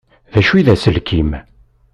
D acu i d aselkim?